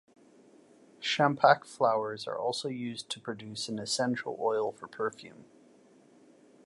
Champak flowers are also used to produce an essential oil for perfume.